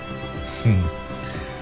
うん。